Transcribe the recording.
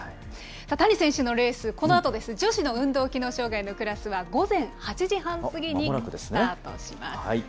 谷選手のレース、このあと女子の運動機能障害のクラスは、午前８時半過ぎにスタートします。